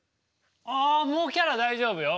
あもうキャラ大丈夫よ。